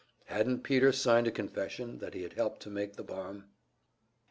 Hadn't Peter signed a confession that he had helped to make the bomb?